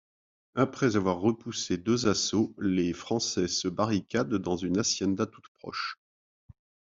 Après avoir repoussé deux assauts, les Français se barricadent dans une hacienda toute proche.